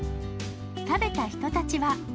食べた人たちは。